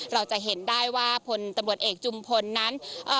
เราจะเห็นได้ว่าพลตำรวจเอกจุมพลนั้นเอ่อ